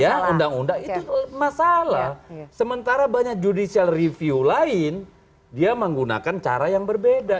ya undang undang itu masalah sementara banyak judicial review lain dia menggunakan cara yang berbeda